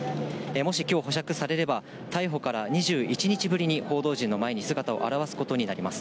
もしきょう保釈されれば、逮捕から２１日ぶりに報道陣の前に姿を現すことになります。